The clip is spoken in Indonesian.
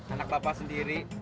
anak bapak sendiri